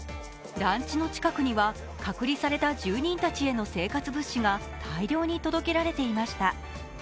団地の近くには隔離された住人たちへの生活物資が大量に届けられていました。